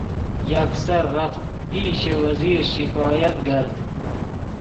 یکسر رفت پیش وزیر شکایت گرد